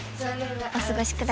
お過ごしください